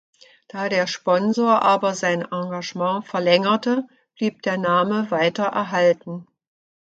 Da der Sponsor aber sein Engagement verlängerte, blieb der Name weiter erhalten.